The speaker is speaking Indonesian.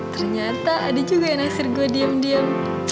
ternyata ada juga yang ngasir gue diem diem